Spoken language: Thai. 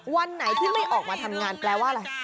วันไหนที่ไม่ออกมาทำงานแปลว่าอะไร